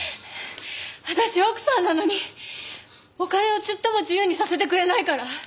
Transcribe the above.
私奥さんなのにお金をちっとも自由にさせてくれないから。